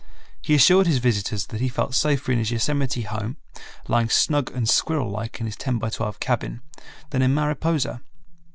He assured his visitors that he felt safer in his Yosemite home, lying snug and squirrel like in his 10 x 12 cabin, than in Mariposa.